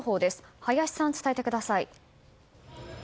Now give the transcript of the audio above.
林さん、伝えてください。